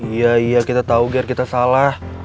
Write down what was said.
iya iya kita tau ger kita salah